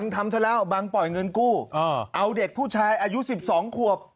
ทำซะแล้วบังปล่อยเงินกู้เอาเด็กผู้ชายอายุ๑๒ขวบ